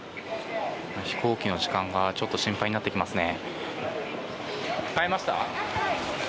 飛行機の時間がちょっと心配になってきますね。